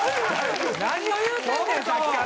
何を言うてんねんさっきから！